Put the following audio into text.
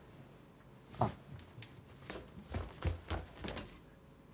あっ。